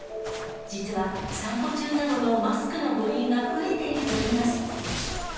実は散歩中などのマスクの誤飲が増えているといいます。